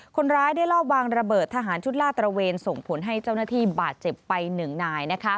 คนร้ายได้รอบวางระเบิดทหารชุดลาดตระเวนส่งผลให้เจ้าหน้าที่บาดเจ็บไปหนึ่งนายนะคะ